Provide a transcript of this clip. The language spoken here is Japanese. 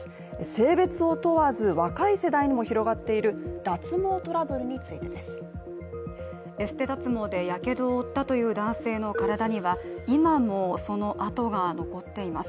性別を問わず若い世代にも広がっている脱毛トラブルについてです。エステ脱毛でやけどを負ったという男性の体には今もその痕が残っています。